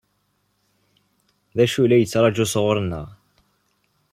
D acu i la yettṛaǧu sɣur-neɣ?